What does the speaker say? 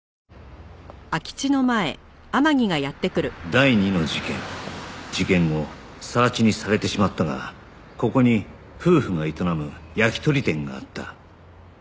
第２の事件事件後更地にされてしまったがここに夫婦が営む焼き鳥店があった